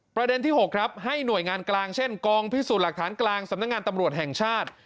ประเด็นที่๖ครับให้หน่วยงานกลางเช่นกองพิสูจน์หลักฐานกลางสำนักงานตำรวจแห่งชาติ